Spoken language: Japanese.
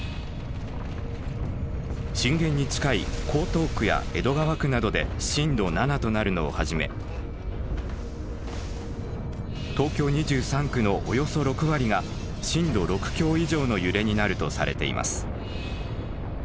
震源に近い江東区や江戸川区などで震度７となるのをはじめ東京２３区のおよそ６割が震度６強以上の揺れになるとされています。